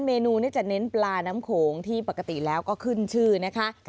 เมนูจะเน้นปลาน้ำโขงที่ปกติแล้วก็ขึ้นชื่อนะคะ